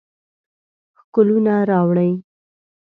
ښکلونه راوړي